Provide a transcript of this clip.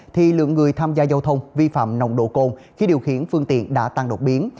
thì lượng người tham gia giao thông vi phạm nồng độ cồn khi điều khiển phương tiện đã tăng đột biến